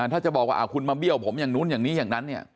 ถ้าจะบอกว่าคุณมาเบี้ยวผมอย่างนู้นอย่างนี้อย่างนั้นเนี่ย